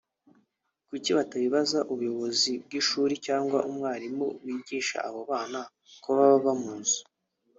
kuki batabibaza ubuyobozi bw’ishuri cyangwa umwarimu wigisha abo bana ko baba bamuzi